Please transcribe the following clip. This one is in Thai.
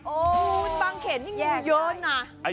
โอ้โฮบางเขตนี้มีเยอะน่ะ